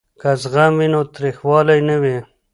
که زغم وي نو تریخوالی نه وي.